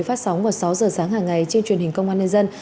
phát sóng vào sáu giờ sáng hàng ngày trên truyền hình công an nhân dân